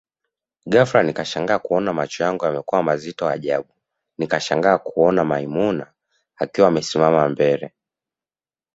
Ghafla nikashangaa kuona macho yangu yamekuwa mazito ajabu nikashangaa kuona maimuna akiwa amesimama mbele